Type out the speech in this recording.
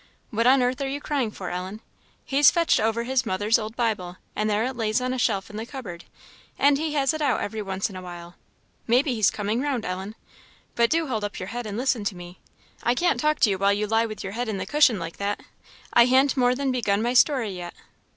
What on earth are you crying for, Ellen? He's fetched over his mother's old Bible, and there it lays on a shelf in the cupboard; and he has it out every once in a while. Maybe he's coming round, Ellen. But do hold up your head and listen to me! I can't talk to you while you lie with your head in the cushion like that. I han't more than begun my story yet."